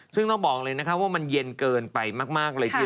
ซึ่งต้องบอกเลยว่ามันเย็นเกินไปมากเลยที